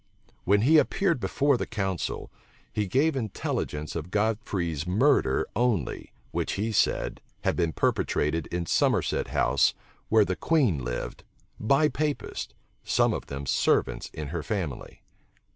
When he appeared before the council, he gave intelligence of Godfrey's murder only, which, he said, had been perpetrated in Somerset House, where the queen lived, by Papists, some of them servants in her family.